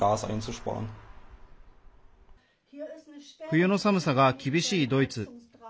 冬の寒さが厳しいドイツ。